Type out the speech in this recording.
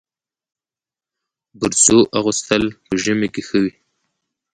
برزو اغوستل په ژمي کي ښه وي.